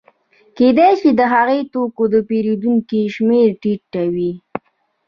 کېدای شي د هغه توکو د پېرودونکو شمېره ټیټه وي